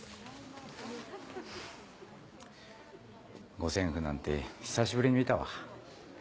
五線譜なんて久しぶりに見たわ。